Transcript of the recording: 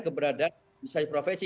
keberadaan organisasi profesi